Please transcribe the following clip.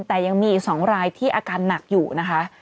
แต่ยังมีอีก๒รายที่อาการหนักอยู่นะคะ